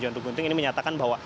john ruh ginting ini menyatakan bahwa